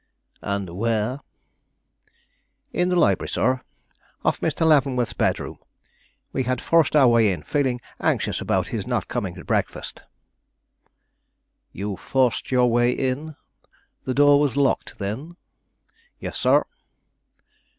"And where?" "In the library, sir, off Mr. Leavenworth's bedroom. We had forced our way in, feeling anxious about his not coming to breakfast." "You forced your way in; the door was locked, then?" "Yes, sir."